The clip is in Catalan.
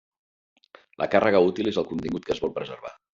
La càrrega útil és el contingut que es vol preservar.